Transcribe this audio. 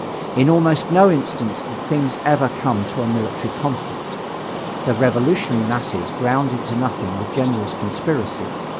In almost no instance did things ever come to a military conflict. The revolutionary masses ground into nothingness the general's conspiracy.